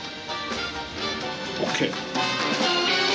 ＯＫ。